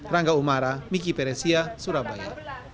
rangga umara miki peresia surabaya